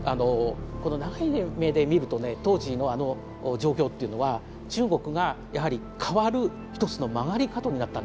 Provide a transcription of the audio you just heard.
この長い目で見るとね当時のあの状況というのは中国がやはり変わる一つの曲がり角になったんだというふうに思いますね。